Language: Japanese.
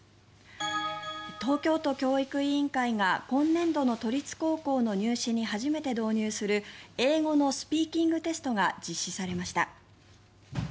東京都教育委員会が今年度の都立高校の入試に初めて導入する英語のスピーキングテストが実施されました。